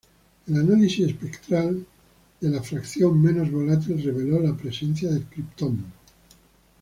El análisis espectral de de la fracción menos volátil reveló la presencia del kriptón.